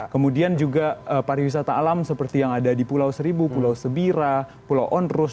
kemudian juga pariwisata alam seperti yang ada di pulau seribu pulau sebira pulau onrus